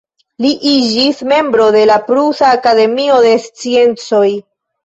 Li iĝis membro de la Prusa Akademio de Sciencoj.